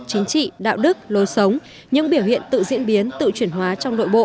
chính trị đạo đức lối sống những biểu hiện tự diễn biến tự chuyển hóa trong nội bộ